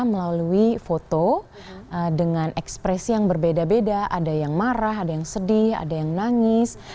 melalui foto dengan ekspresi yang berbeda beda ada yang marah ada yang sedih ada yang nangis